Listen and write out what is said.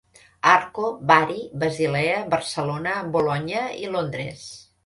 Arco, Bari, Basilea, Barcelona, Bolonya i Londres.